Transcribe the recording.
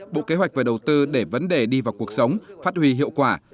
bộ kế hoạch và đầu tư để vấn đề đi vào cuộc sống phát huy hiệu quả